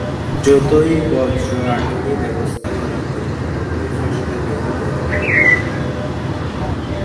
যতই বজ্র আঁটুনি ব্যবস্থা করা হয়, ততই ফসকা গেরো বের হয়ে আসে।